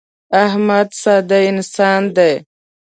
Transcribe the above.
احمد ساده انسان دی.